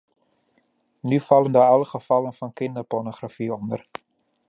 Nu vallen daar alle gevallen van kinderpornografie onder.